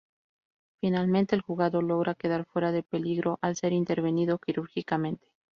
Finalmente el jugador logra quedar fuera de peligro al ser intervenido quirúrgicamente.